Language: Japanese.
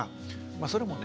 それもね